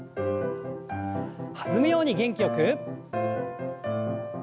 弾むように元気よく。